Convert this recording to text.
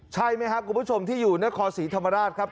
ใช่ไหมครับคุณผู้ชมที่อยู่นครศรีธรรมราชครับ